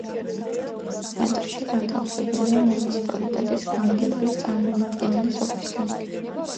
ცენტრში განთავსებულია მუნიციპალიტეტის გამგებლის წარმომადგენლის ოფისი.